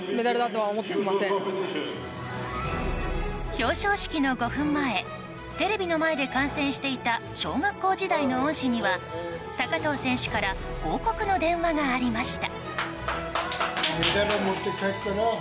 表彰式の５分前テレビの前で観戦していた小学校時代の恩師には高藤選手から報告の電話がありました。